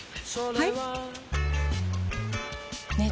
はい！